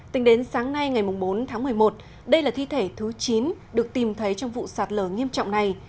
tính đến sáng nay ngày bốn tháng một mươi một đây là thi thể thứ chín được tìm thấy trong vụ sạt lở nghiêm trọng này